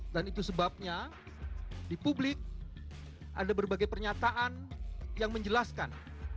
dan itu sebabnya di publik ada berbagai pernyataan yang menjelaskan